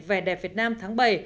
về đẹp việt nam tháng bảy